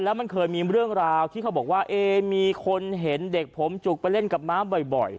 แล้วมันเคยมีเรื่องราวที่เขาบอกว่ามีคนเห็นเด็กผมจุกไปเล่นกับม้าบ่อย